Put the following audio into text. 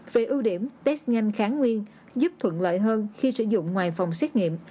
về ưu điểm test nhanh kháng nguyên giúp thuận lợi hơn khi sử dụng ngoài phòng xét nghiệm